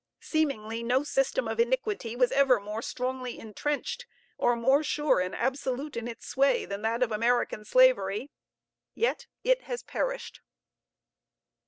Seemingly, no system of iniquity was ever more strongly intrenched, or more sure and absolute in its sway, than that of American Slavery; yet it has perished.